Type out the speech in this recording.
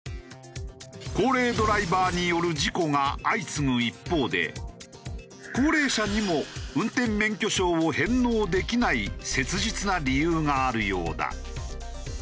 高齢ドライバーによる事故が相次ぐ一方で高齢者にも運転免許証を返納できない切実な理由があるようだ。